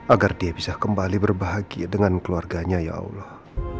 agar dia bisa kembali berbahagia dengan keluarganya ya allah